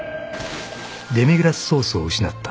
［デミグラスソースを失った］